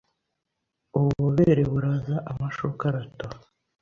ububobere buraza, amashuka aratoha